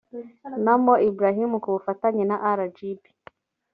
na mo ibrahim ku bufatanye na rgb